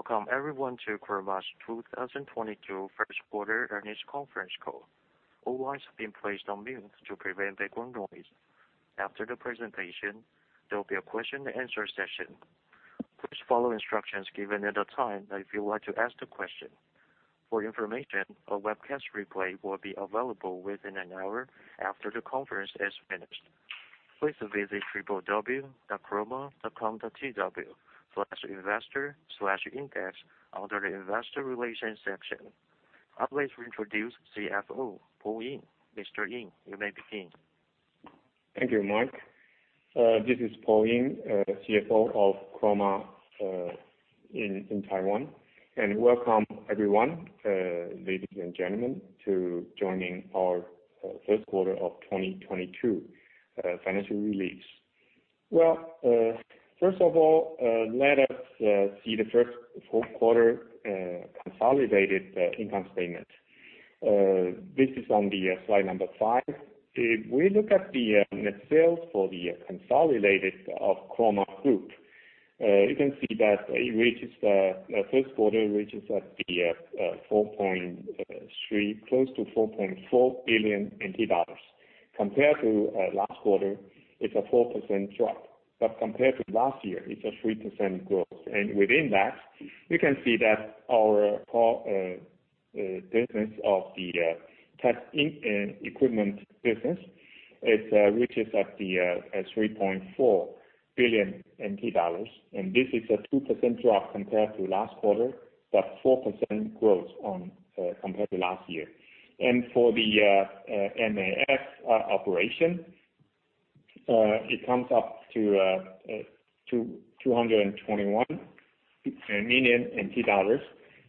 Welcome everyone to Chroma's 2022 first quarter earnings conference call. All lines have been placed on mute to prevent background noise. After the presentation, there'll be a question and answer session. Please follow instructions given at the time if you want to ask the question. For information, a webcast replay will be available within an hour after the conference is finished. Please visit www.chroma.com.tw/investor/index under the Investor Relations section. I'd like to introduce CFO Paul Ying. Mr. Ying, you may begin. Thank you, Mark. This is Paul Ying, CFO of Chroma, in Taiwan. Welcome everyone, ladies and gentlemen, to joining our first quarter of 2022 financial release. Well, first of all, let us see the first full quarter consolidated income statement. This is on the slide five. If we look at the net sales for the consolidated of Chroma group, you can see that it reaches first quarter reaches at the 4.3, close to 4.4 billion NT dollars. Compared to last quarter, it's a 4% drop. Compared to last year, it's a 3% growth. Within that, you can see that our core business of the testing equipment business, it reaches the 3.4 billion NT dollars. This is a 2% drop compared to last quarter, but 4% growth compared to last year. For the MAS operation, it comes up to 221 million NT dollars,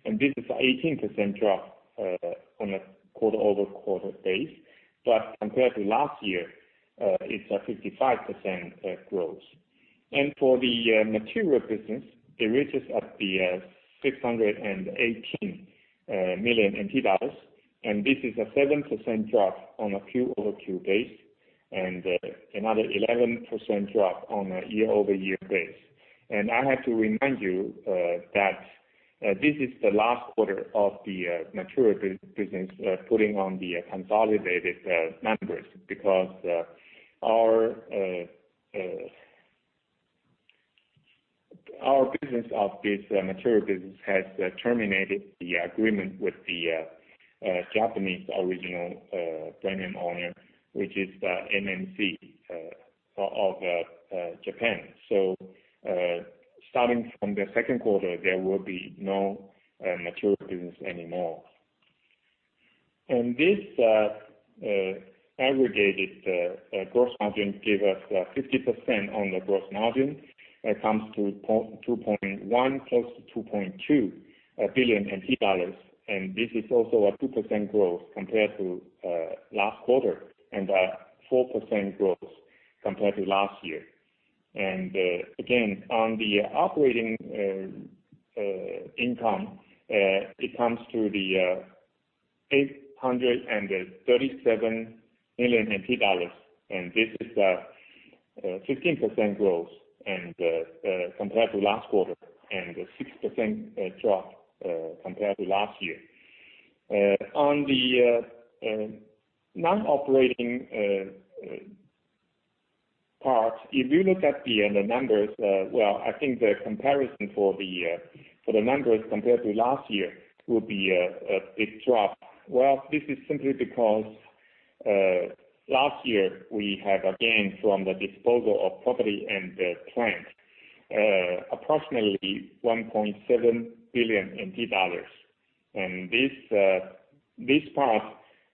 and this is 18% drop on a quarter-over-quarter basis. But compared to last year, it's a 55% growth. For the material business, it reaches 618 million NT dollars, and this is a 7% drop on a Q-over-Q basis, and another 11% drop on a year-over-year basis. I have to remind you that this is the last quarter of the material business putting on the consolidated numbers because our material business has terminated the agreement with the Japanese original brand name owner, which is MMC of Japan. Starting from the second quarter, there will be no material business anymore. This aggregate gross margin gave us 50% on the gross margin. It comes to 2.1, close to 2.2 billion NT dollars, and this is also a 2% growth compared to last quarter and a 4% growth compared to last year. Again, on the operating income, it comes to the 837 million NT dollars, and this is a 15% growth compared to last quarter and a 6% drop compared to last year. On the non-operating parts, if you look at the numbers, well, I think the comparison for the numbers compared to last year will be a big drop. Well, this is simply because last year we had a gain from the disposal of property and the plant, approximately TWD 1.7 billion. This part,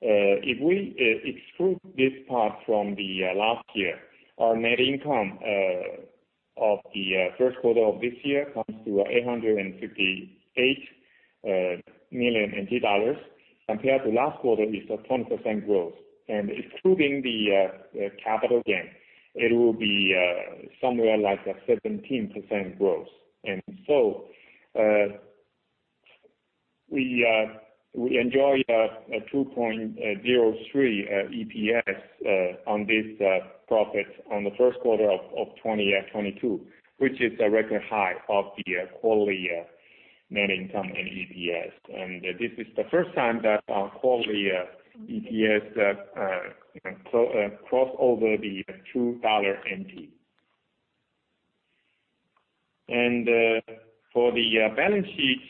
if we exclude this part from last year, our net income of the first quarter of this year comes to 858 million dollars. Compared to last quarter, it's a 20% growth. Excluding the capital gain, it will be somewhere like a 17% growth. We enjoy a 2.03 EPS on this profit on the first quarter of 2022, which is a record high of the quarterly net income and EPS. This is the first time that our quarterly EPS cross over the 2 dollar. For the balance sheets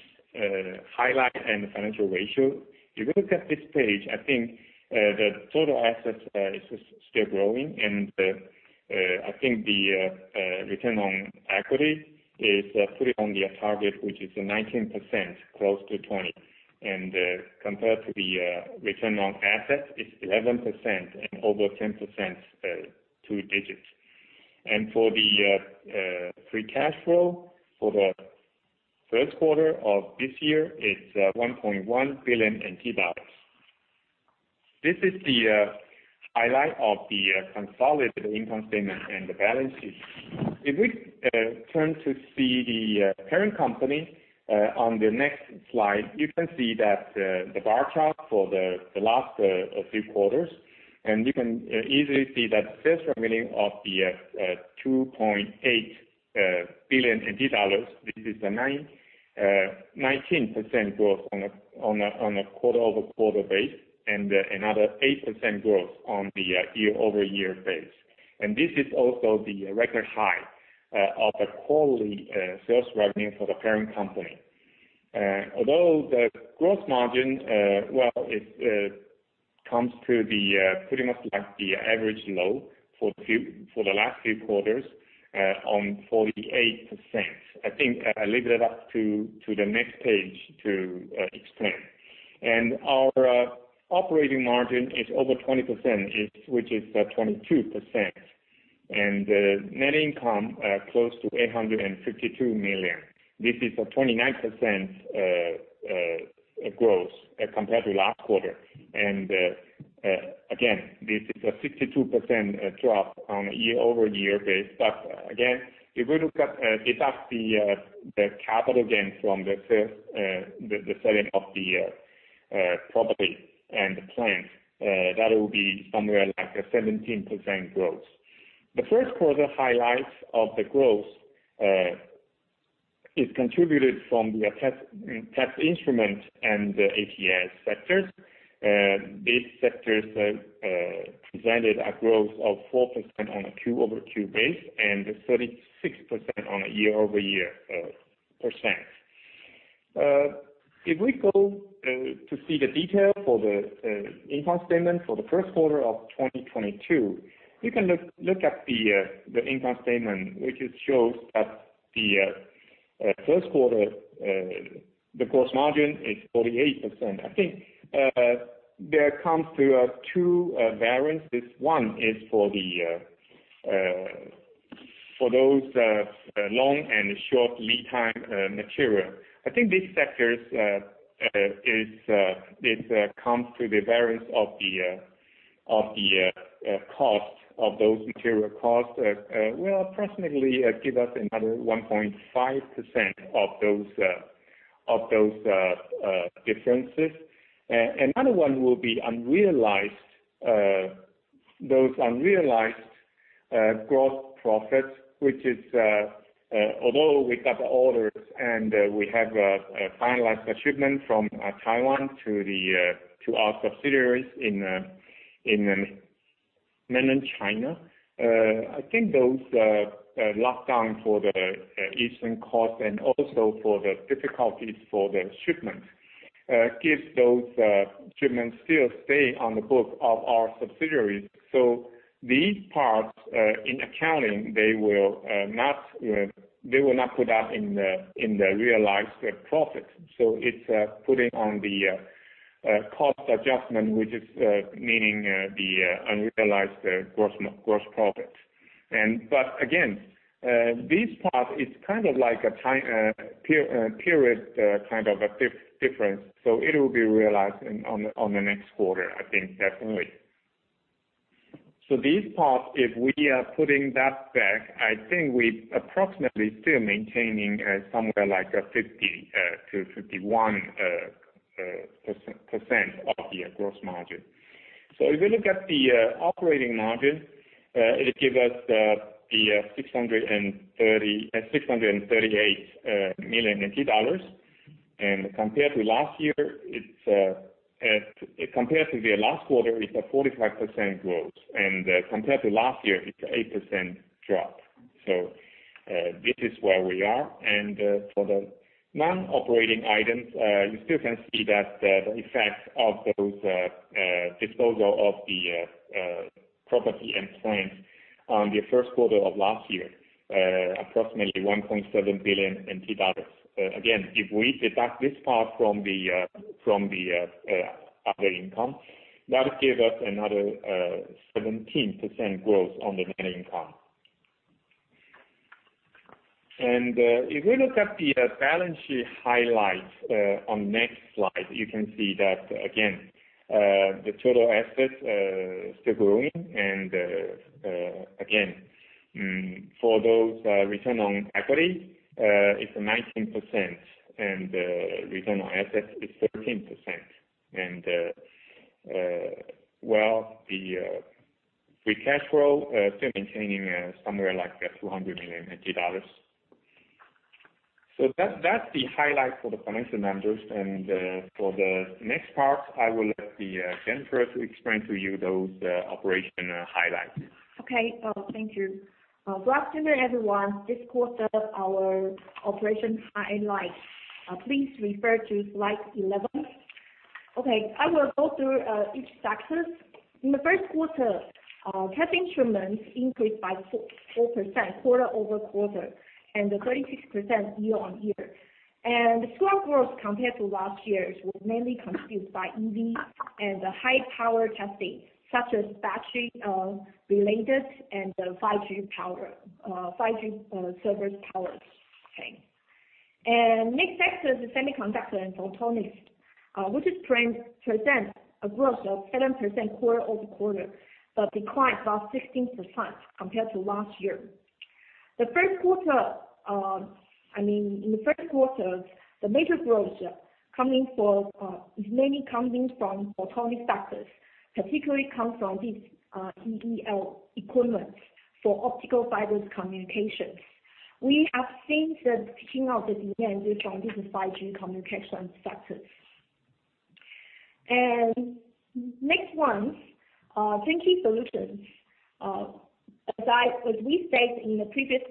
highlight and financial ratio, if you look at this page, I think the total assets is still growing. I think the return on equity is on target, which is 19%, close to 20%. Compared to the return on assets, it's 11% and over 10%, two digits. For the free cash flow for the first quarter of this year, it's 1.1 billion NT dollars. This is the highlight of the consolidated income statement and the balance sheet. If we turn to see the parent company on the next slide, you can see that the bar chart for the last few quarters, and you can easily see that sales revenue of the 2.8 billion NT dollars. This is a 19% growth on a quarter-over-quarter base, and another 8% growth on the year-over-year base. This is also the record high of the quarterly sales revenue for the parent company. Although the gross margin comes to the pretty much like the average low for the last few quarters on 48%. I think I leave that up to the next page to explain. Our operating margin is over 20%, it's which is 22%. Net income close to 852 million. This is a 29% growth as compared to last quarter. Again, this is a 62% drop on a year-over-year base. Again, if we look at deduct the capital gain from the sales, the selling of the property and the plant, that will be somewhere like a 17% growth. The first quarter highlights of the growth is contributed from the test instrument and the ATS sectors. These sectors presented a growth of 4% on a Q-over-Q base and 36% on a year-over-year percent. If we go to see the detail for the income statement for the first quarter of 2022, you can look at the income statement, which it shows that the first quarter the gross margin is 48%. I think there comes to two variances. One is for those long and short lead time material. I think these sectors is comes to the variance of the cost of those material costs. Will approximately give us another 1.5% of those differences. Another one will be unrealized gross profits, which, although we got the orders and we have finalized the shipment from Taiwan to our subsidiaries in Mainland China. I think those lockdown for the eastern coast and also for the difficulties for the shipment gives those shipments still stay on the book of our subsidiaries. These parts in accounting they will not put up in the realized profit. It's putting on the cost adjustment, which is meaning the unrealized gross profit. Again, this part is kind of like a temporary difference. It will be realized in on the next quarter, I think definitely. These parts, if we are putting that back, I think we approximately still maintaining somewhere like a 50%-51% of the gross margin. If you look at the operating margin, it give us the 638 million dollars. Compared to last year, compared to the last quarter, it's a 45% growth. Compared to last year, it's 8% drop. This is where we are. For the non-operating items, you still can see that the effects of the disposal of the property and plant on the first quarter of last year, approximately 1.7 billion NT dollars. Again, if we deduct this part from the other income, that would give us another 17% growth on the net income. If we look at the balance sheet highlights, on next slide, you can see that again, the total assets still growing. Again, for those return on equity, it's 19%. Return on assets is 13%. Well, the free cash flow still maintaining somewhere like 200 million dollars. That's the highlight for the financial numbers. For the next part, I will let the Jennifer to explain to you those operational highlights. Okay. Thank you. Good afternoon, everyone. This quarter, our operation highlights, please refer to slide 11. Okay, I will go through each sector. In the first quarter, test instruments increased by 4% quarter-over-quarter and 36% year-over-year. Strong growth compared to last year's were mainly contributed by EV and the high power testing, such as battery related and the 5G power, 5G service power. Okay. Next sector is the semiconductor and photonics, which presents a growth of 7% quarter-over-quarter, but declined about 16% compared to last year. The first quarter, I mean, in the first quarter, the major growth coming from is mainly coming from photonic sectors, particularly come from this VCSEL equipment for optical fiber communications. We have seen the peaking of the demand from this 5G communication sectors. Next one, turnkey solutions. As we said in the previous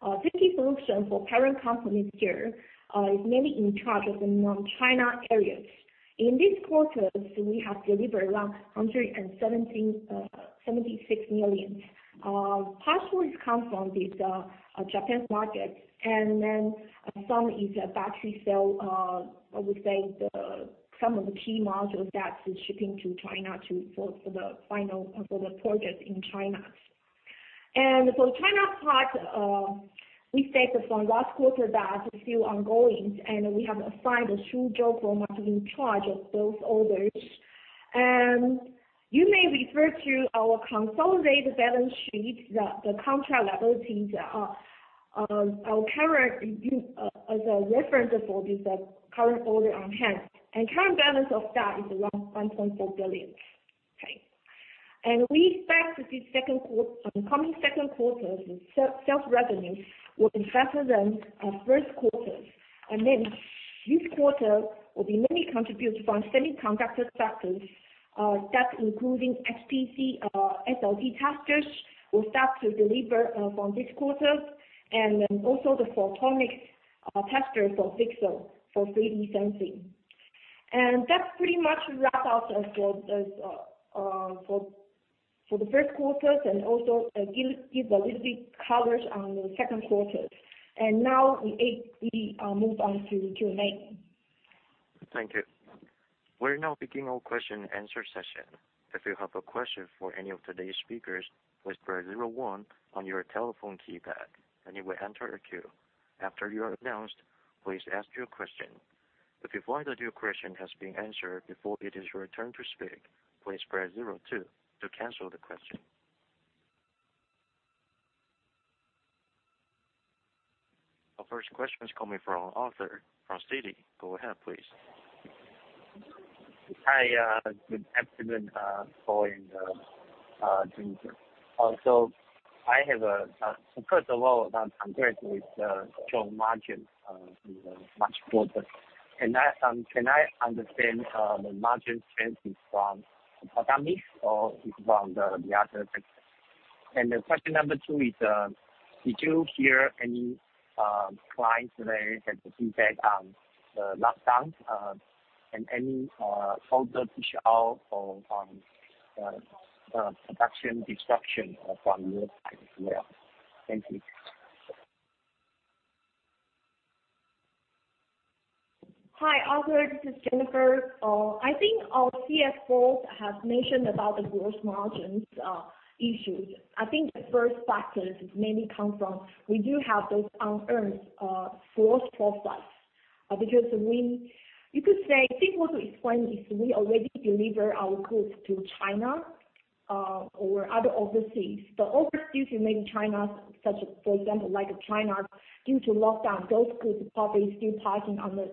quarters, turnkey solution for power component here is mainly in charge of the non-China areas. In this quarter, we have delivered around 176 million. Partially it come from this Japan's market, and then some is a battery cell, I would say the some of the key modules that is shipping to China for the final for the project in China. For China's part, we said from last quarter that it's still ongoing, and we have assigned Suzhou for marketing charge of those orders. You may refer to our consolidated balance sheet, the contract liabilities, our current is, as a reference for this current order on hand. Current balance of that is around 1.4 billion, okay? We expect this coming second quarter, the sales revenue will be faster than first quarter. This quarter will be mainly contributed from semiconductor sectors, that's including HPC, SLT testers will start to deliver from this quarter. The photonic testers for Pixel for 3D sensing. That pretty much wrap up as well as for the first quarter and also give a little bit colors on the second quarter. We move on to Q&A. Thank you. We're now beginning our question and answer session. If you have a question for any of today's speakers, press zero one on your telephone keypad, and you will enter a queue. After you are announced, please ask your question. If you find that your question has been answered before it is your turn to speak, please press zero two to cancel the question. Our first question is coming from Arthur from Citi. Go ahead, please. Hi, good afternoon, Paul and Jennifer. I have, first of all, I'm impressed with the strong margin in the March quarter. Can I understand the margin trend is from photonics or is it from the other sector? Question number two is, did you hear any clients that had the feedback on the lockdowns and any further push out or production disruption from your side as well? Thank you. Hi, Arthur, this is Jennifer. I think our CFO has mentioned about the gross margin issues. I think the first factor mainly comes from we do have those unearned gross profits. Because you could say, simply to explain is we already deliver our goods to China or other overseas. But overseas, maybe China, such for example, like China, due to lockdown, those goods probably still parked in these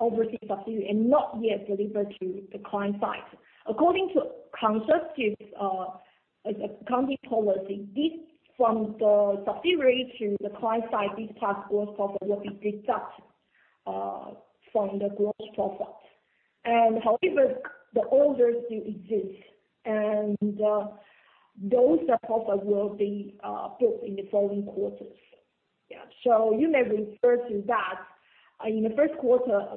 overseas facilities and not yet delivered to the client site. According to conservative accounting policy, the transfer from the facility to the client site, this part gross profit will be deducted from the gross profit. However, the orders do exist and those profits will be booked in the following quarters. Yeah. You may refer to that. In the first quarter,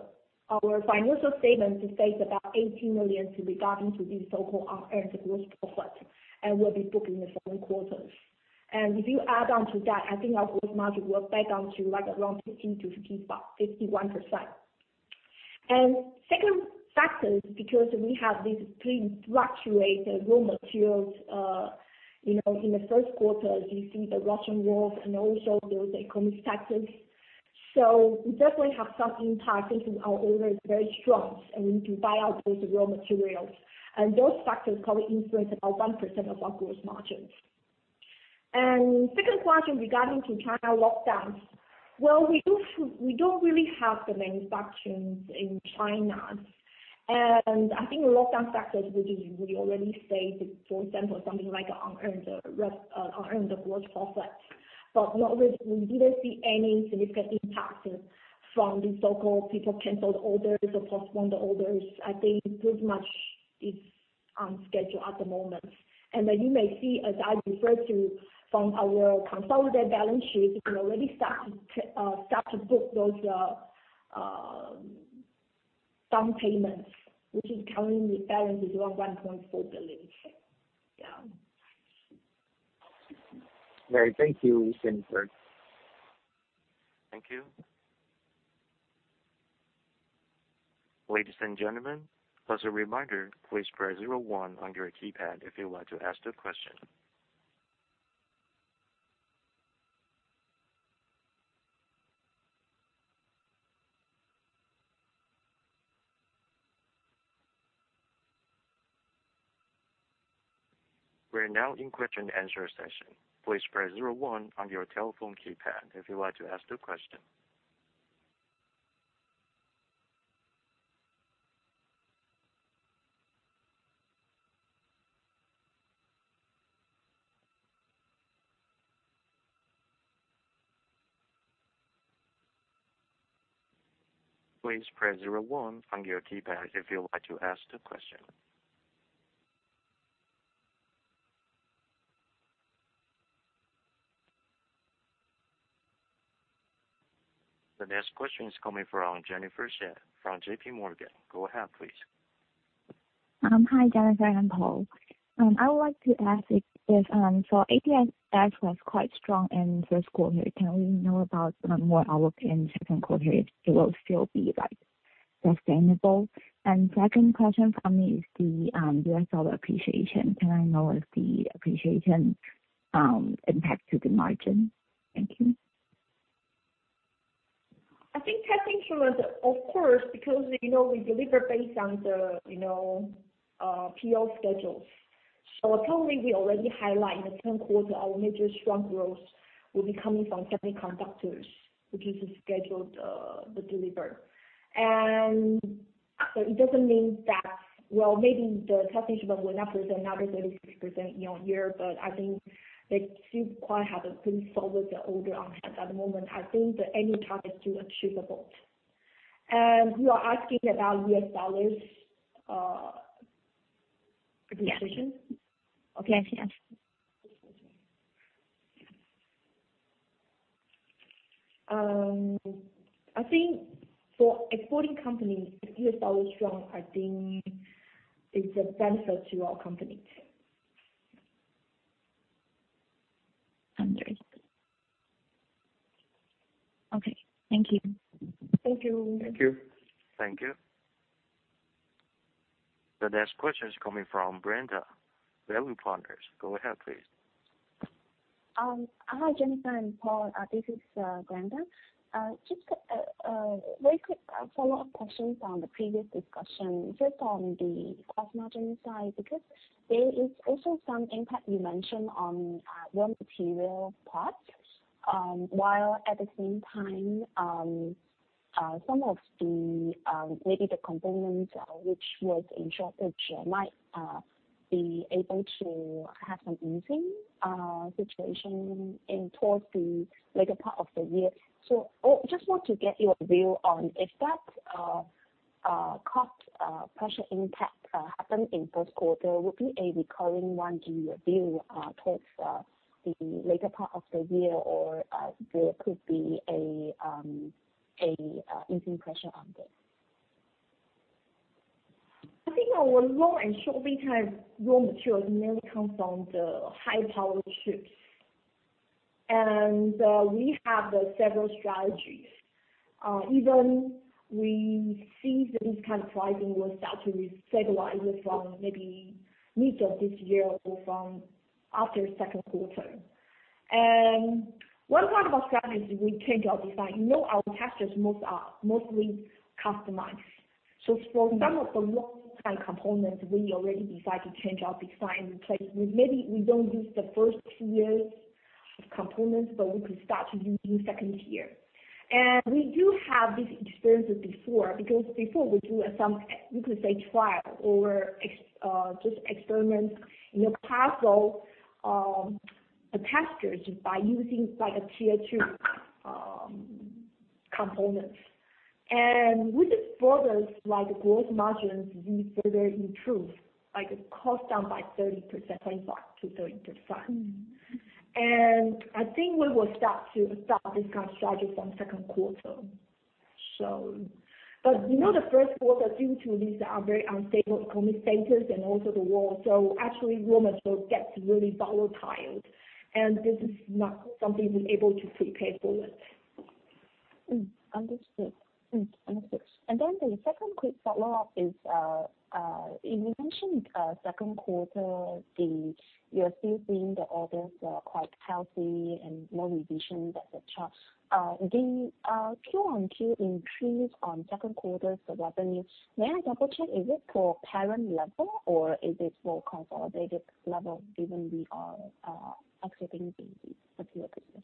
our financial statement states about 80 million regarding to the so-called unearned gross profit and will be booked in the following quarters. If you add on to that, I think our gross margin will back down to around 15%-51%. Second factor is because we have these pretty fluctuated raw materials, you know, in the first quarter, you see the Russian war and also those economic factors. We definitely have some impact since our order is very strong and we need to buy out those raw materials. Those factors probably influence about 1% of our gross margins. Second question regarding to China lockdowns. Well, we don't really have the manufacturing in China. I think the lockdown factors, which we already stated, for example, something like unearned gross profit. Not really, we didn't see any significant impact from these so-called people canceled orders or postponed orders. I think pretty much it's on schedule at the moment. You may see, as I referred to from our consolidated balance sheet, we already start to book those down payments, which current balance is around 1.4 billion. Yeah. Great. Thank you, Ms. Jennifer. Thank you. Ladies and gentlemen, as a reminder, please press zero one on your keypad if you want to ask a question. We're now in question and answer session. Please press zero one on your telephone keypad if you'd like to ask a question. Please press zero one on your keypad if you'd like to ask a question. The next question is coming from Jennifer Shen from JPMorgan. Go ahead, please. Hi, Jennifer and Paul. I would like to ask if so ATS was quite strong in first quarter. Can we know about what your opinion second quarter, if it will still be like sustainable? Second question from me is the U.S. dollar appreciation. Can I know if the appreciation impacts to the margin? Thank you. I think test instruments, of course, because, you know, we deliver based on the, you know, PO schedules. Probably we already highlight in the second quarter our major strong growth will be coming from semiconductors, which is scheduled to deliver. It doesn't mean that, well, maybe the test instruments will not present another 36% year-on-year, but I think they still quite have a good solid order on hand at the moment. I think that any target is still achievable. You are asking about U.S. dollars appreciation? Yes. Yes, yes. I think for exporting companies, if U.S. dollar is strong, I think it's a benefit to our company. Understood. Okay. Thank you. Thank you. Thank you. Thank you. The next question is coming from Brenda, Bell Partners. Go ahead, please. Hi, Jennifer and Paul. This is Brenda. Just a very quick follow-up question on the previous discussion. First on the cost margin side, because there is also some impact you mentioned on raw material parts, while at the same time, some of the, maybe, the components which might be able to have some easing situation towards the later part of the year. I just want to get your view on if that cost pressure impact happen in first quarter, will it be a recurring one in your view towards the later part of the year, or there could be a easing pressure on this? I think our long and short lead time raw materials mainly comes from the high power chips. We have several strategies. Even we see this kind of pricing will start to stabilize from maybe mid of this year or from after second quarter. One part of our strategy is we change our design. You know, our testers most are mostly customized. So for some of the long time components, we already decide to change our design because maybe we don't use the first tier of components, but we could start to use new second tier. We do have this experiences before, because before we do some, you could say, trial or just experiment in your past, so testers by using like a tier two components. With this further, like growth margins we further improve, like cost down by 30%, 25%-30%. I think we will start to adopt this kind of strategy from second quarter. You know, the first quarter due to these are very unstable economic factors and also the war, so actually raw materials gets really volatile, and this is not something we're able to prepare for it. Understood. The second quick follow-up is, you mentioned second quarter, you're still seeing the orders are quite healthy and no revision, etc. The Q-over-Q increase on second quarter's revenue. May I double-check, is it for parent level or is it for consolidated level, given we are accepting the materials business?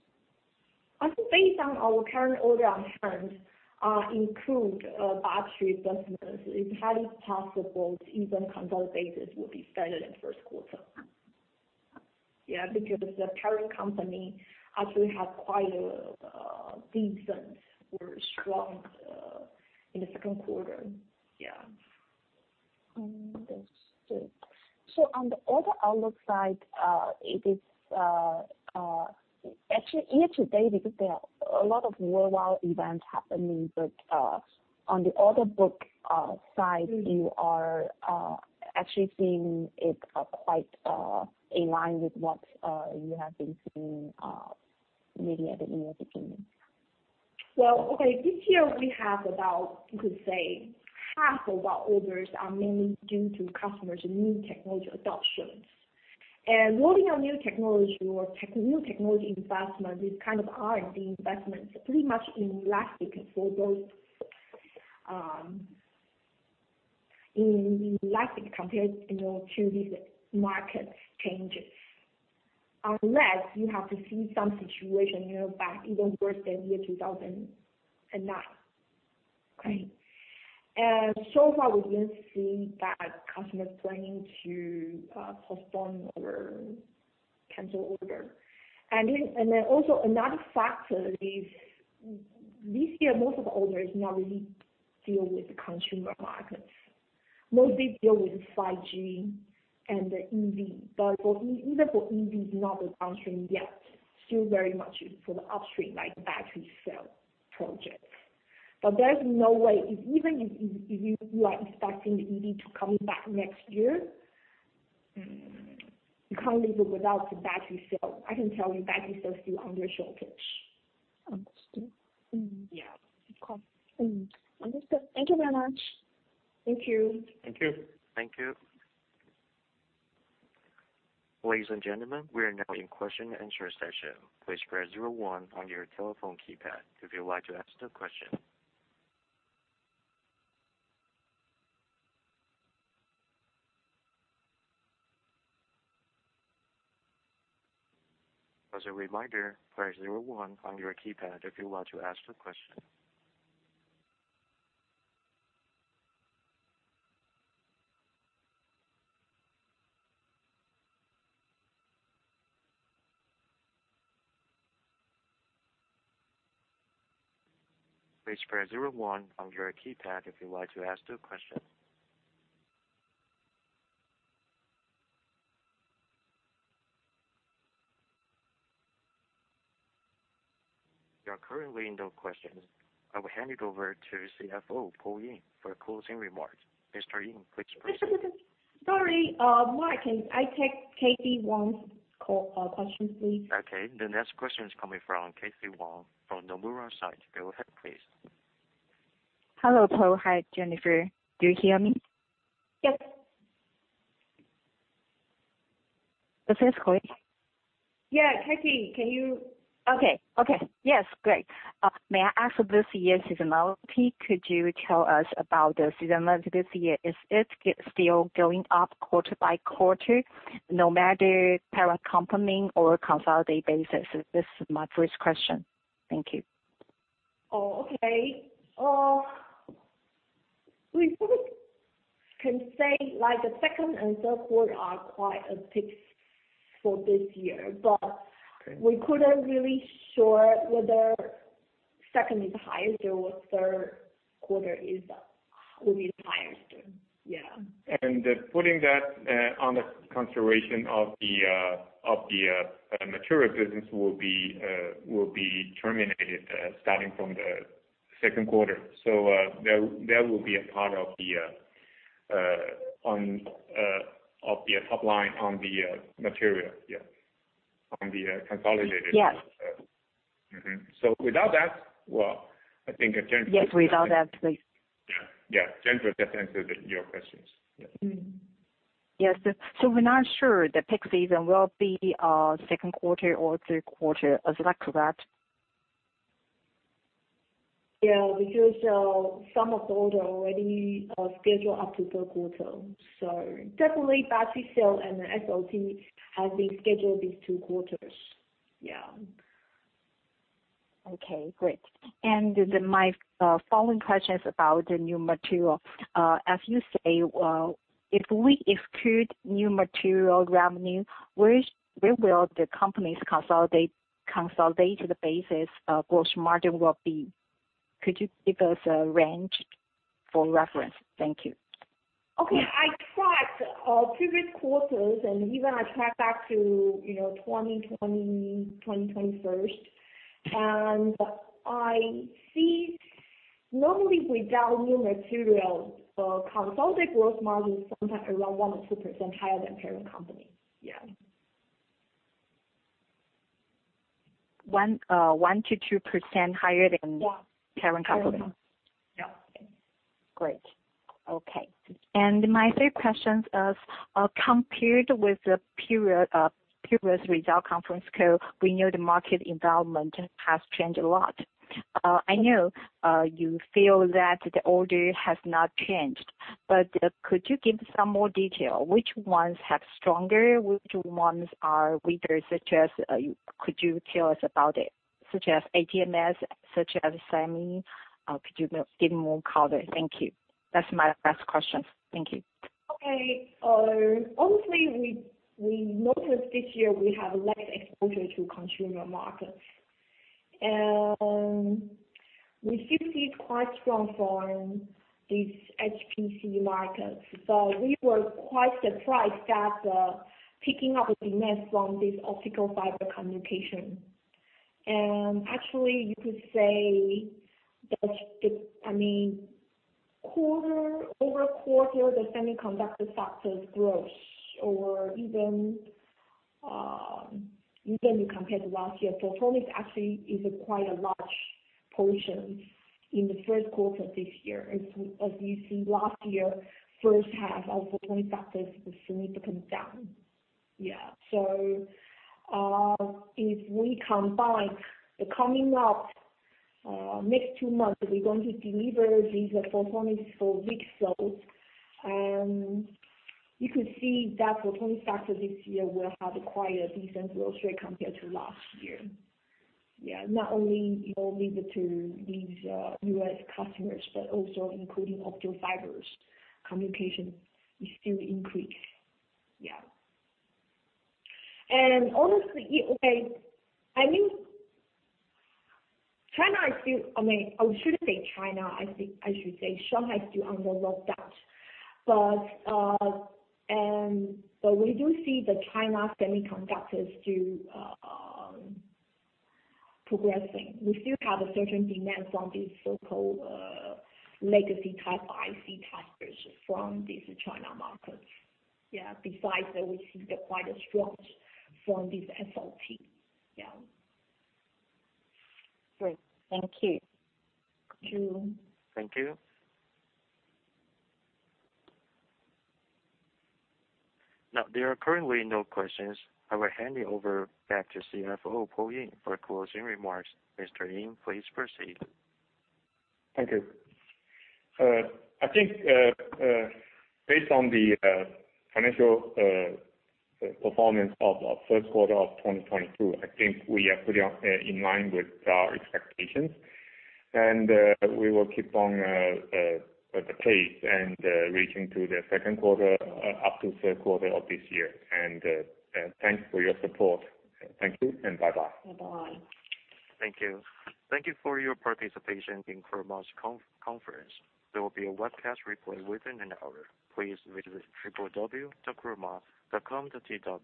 I think based on our current order on hand, including battery business, it's highly possible even consolidated will be better than first quarter. Yeah, because the parent company actually have quite a decent or strong in the second quarter. Yeah. Understood. On the order outlook side, it is actually year to date, because there are a lot of worldwide events happening, but on the order book side, you are actually seeing it quite aligned with what you have been seeing. Maybe I have in your opinion. Well, okay, this year we have about, you could say, half of our orders are mainly due to customers' new technology adoptions. Loading on new technology or new technology investment is kind of R&D investments, pretty much inelastic for those, inelastic compared, you know, to these market changes. Unless you have to see some situation, you know, back even worse than 2009. Okay. So far, we didn't see that customers planning to postpone or cancel order. Then also another factor is, this year, most of the orders not really deal with the consumer markets. Mostly deal with 5G and the EV, but even for EV, it's not the downstream yet. Still very much for the upstream, like battery cell projects. There's no way, even if you are expecting the EV to come back next year, you can't leave it without the battery cell. I can tell you battery cell is still under shortage. Understood. Mm-hmm. Yeah. Of course. Understood. Thank you very much. Thank you. Thank you. Thank you. Ladies and gentlemen, we are now in question and answer session. Please press zero one on your telephone keypad if you'd like to ask a question. As a reminder, press zero one on your keypad if you'd like to ask a question. Please press zero one on your keypad if you'd like to ask a question. There are currently no questions. I will hand it over to CFO Paul Ying for closing remarks. Mr. Ying, please proceed. Sorry, Mark, can I take Katie Wang's call, question, please? Okay. The next question is coming from Katie Wang from Nomura side. Go ahead, please. Hello, Paul. Hi, Jennifer. Do you hear me? Yes. This is Katie. Yeah, Katie, can you? Okay. Yes. Great. May I ask this year's seasonality? Could you tell us about the seasonality this year? Is it still going up quarter by quarter, no matter parent company or consolidated basis? This is my first question. Thank you. We can say like the second and third quarter are quite a peak for this year, but- Okay. ... we couldn't really be sure whether second is highest or third quarter will be the highest. Yeah. Putting that on the consideration of the material business will be terminated starting from the second quarter. That will be a part of the top line on the material. Yeah. On the consolidated. Yes. Without that, well, I think Jennifer. Yes, without that, please. Yeah. Yeah. Jennifer just answered your questions. Yes. Yes. We're not sure the peak season will be second quarter or third quarter. Is that correct? Yeah, because some of the orders already scheduled up to third quarter. Definitely, battery cell and the SLT has been scheduled these two quarters. Yeah. Okay, great. Then my following question is about the new material. As you say, well, if we exclude new material revenue, where will the company's consolidated basis gross margin be? Could you give us a range for reference? Thank you. Okay. I tracked previous quarters, and even I track back to, you know, 2020, 2021, and I see normally without new material, consolidated gross margin is sometimes around 1%-2% higher than parent company. Yeah. 1%-2% higher than- Yeah.... parent company? Yeah. Great. Okay. My third question is, compared with the period, previous result conference call, we know the market environment has changed a lot. I know, you feel that the order has not changed, but, could you give some more detail? Which ones have stronger? Which ones are weaker, such as, could you tell us about it, such as ATS, such as semi, could you give more color? Thank you. That's my last question. Thank you. Okay. Obviously, we noticed this year we have less exposure to consumer markets. We still see quite strong from these HPC markets. We were quite surprised at the picking up of demand for this optical fiber communication. Actually, you could say that quarter-over-quarter, the semiconductor sector is growing or even if you compare to last year. Photonics actually is quite a large portion in the first quarter of this year. As you see last year, first half of photonics sector is significantly down. If we combine the upcoming next 2 months, we're going to deliver these photonics for VCSELs. You could see that photonics sector this year will have quite a decent growth rate compared to last year. Not only, you know, limited to these, U.S. customers, but also including optical fiber communication is still increased. Yeah. Honestly, I mean, China is still- I mean, I shouldn't say China. I think I should say Shanghai is still under lockdown. We do see the Chinese semiconductors too, progressing. We still have a certain demand from these so-called, legacy type IC testers from these Chinese markets. Yeah. Besides that, we see quite a strong from this SLT. Yeah. Great. Thank you. Sure. Thank you. Now, there are currently no questions. I will hand it over back to CFO Paul Ying for closing remarks. Mr. Ying, please proceed. Thank you. I think based on the financial performance of our first quarter of 2022, I think we are pretty in line with our expectations. We will keep on the pace and reaching to the second quarter up to third quarter of this year. Thanks for your support. Thank you and bye-bye. Bye-bye. Thank you. Thank you for your participation in Chroma's conference. There will be a webcast replay within an hour. Please visit www.chroma.com.tw.